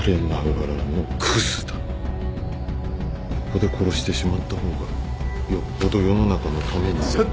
ここで殺してしまった方がよっぽど世の中のためになる。